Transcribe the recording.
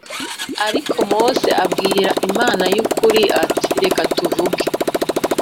Ariko mose abwira imana y ukuri ati reka tuvuge